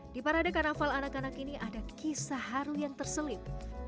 di parade karnaval anak anak ini ada kisah haru yang terselip